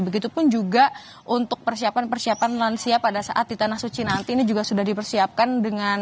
begitupun juga untuk persiapan persiapan lansia pada saat di tanah suci nanti ini juga sudah dipersiapkan dengan